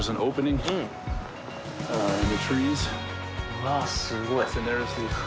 うわすごい。